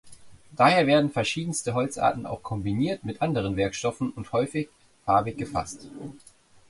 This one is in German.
Daher werden verschiedenste Holzarten auch kombiniert mit anderen Werkstoffen und häufig farbig gefasst.